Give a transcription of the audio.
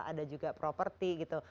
ada juga properti gitu